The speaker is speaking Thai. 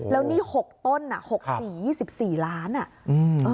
แล้วนี่๖ต้นน่ะ๖สี๑๔ล้านอ่ะ